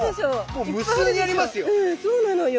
もう無数にありますよ！